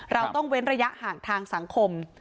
เราต้องเว้นระยะห่างทางสังคม